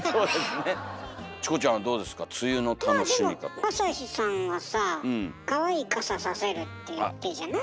まあでもあさひさんはさかわいい傘差せるって言ったじゃない？